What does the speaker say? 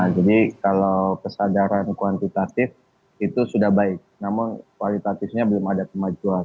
jadi kalau kesadaran kuantitatif itu sudah baik namun kualitatifnya belum ada kemajuan